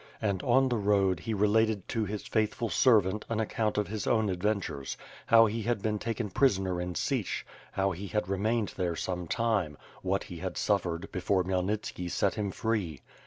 And on the road he related to his faithful servant an account of his own adventures: how he had been taken prisoner in Sich, how he had remained there some time; what he had suffered, before Khmyelnitski set him fisee.